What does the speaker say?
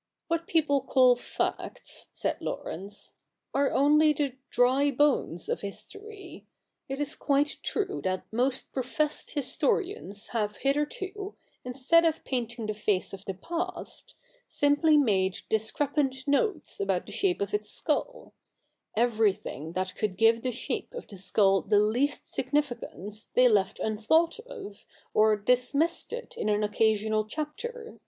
' What people call facts,' said Laurence, ' are only the dry bones of history. It is quite true that most professed historians have hitherto, instead of painting the face of the past, simply made discrepant notes about the shape of its skull : everything that could give the shape of the skull the least significance they left unthought of, or dismissed it in an occasional chapter.